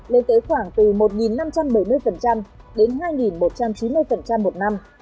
lên tới khoảng từ một nghìn năm trăm bảy mươi đến hai nghìn một trăm chín mươi một năm